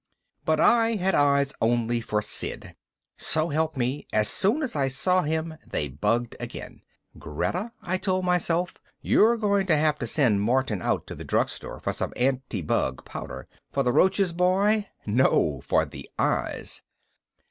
But I had eyes only for Sid. So help me, as soon as I saw him they bugged again. Greta, I told myself, you're going to have to send Martin out to the drugstore for some anti bug powder. "For the roaches, boy?" "_No, for the eyes.